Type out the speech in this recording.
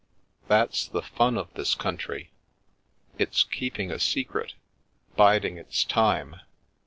That's the fun of this country — it's keep ing a secret, biding its time.